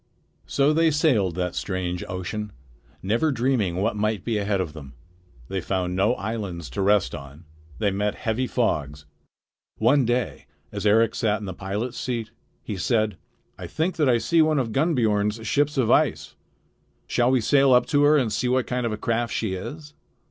So they sailed that strange ocean, never dreaming what might be ahead of them. They found no islands to rest on. They met heavy fogs. One day as Eric sat in the pilot's seat, he said: "I think that I see one of Gunnbiorn's ships of ice. Shall we sail up to her and see what kind of a craft she is?"